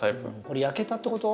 これ焼けたってこと？